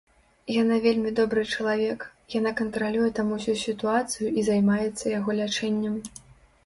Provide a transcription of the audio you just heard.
Яна вельмі добры чалавек, яна кантралюе там усю сітуацыю і займаецца яго лячэннем.